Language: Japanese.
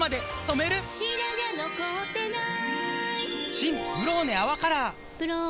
新「ブローネ泡カラー」「ブローネ」